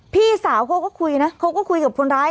พี่สาวเขาก็คุยนะเขาก็คุยกับคนร้าย